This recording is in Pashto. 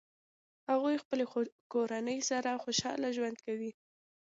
هغوی خپلې کورنۍ سره خوشحال ژوند کوي